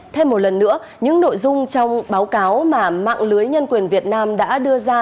thêm một lần nữa những nội dung trong báo cáo mà mạng lưới nhân quyền việt nam đã đưa ra